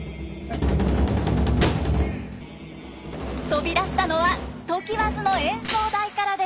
飛び出したのは常磐津の演奏台からでした。